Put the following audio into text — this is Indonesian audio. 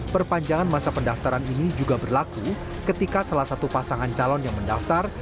perpanjangan masa pendaftaran ini juga berlaku ketika salah satu pasangan calon yang mendaftar